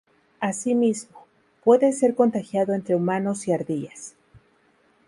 Asimismo, puede ser contagiado entre humanos y ardillas.